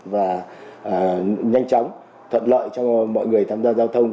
và nhanh chóng thuận lợi cho mọi người tham gia giao thông